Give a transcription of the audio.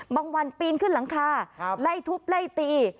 บางวันปีนขึ้นหลังคาไล่ทุบไล่ตี